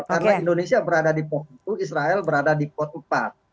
karena indonesia berada di potensi itu israel berada di potensi empat